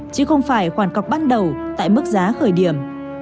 chứ không phải khoản cọc ban đầu tại mức giá khởi điểm